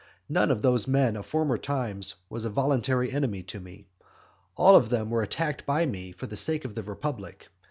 None of those men of former times was a voluntary enemy to me; all of them were attacked by me for the sake of the republic.